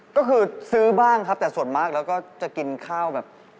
ก็คือซื้อบ้างครับแต่ส่วนมากแล้วก็จะกินข้าวแบบ